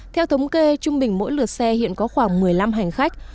theo thống kê trung bình mỗi lượt xe hiện có khoảng một mươi năm hành khách